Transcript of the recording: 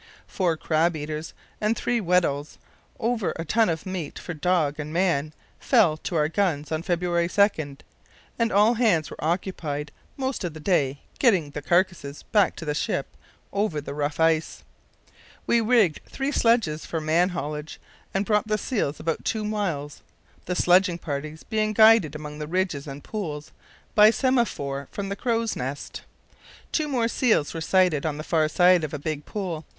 Four crab eaters and three Weddells, over a ton of meat for dog and man, fell to our guns on February 2, and all hands were occupied most of the day getting the carcasses back to the ship over the rough ice. We rigged three sledges for man haulage and brought the seals about two miles, the sledging parties being guided among the ridges and pools by semaphore from the crow's nest.